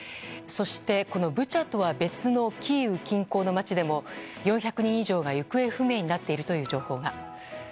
そして、ブチャとは別のキーウ近郊の街でも４００人以上が行方不明になっているという情報が。